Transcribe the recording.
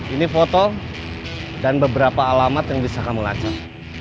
ini foto dan beberapa alamat yang bisa kamu lacik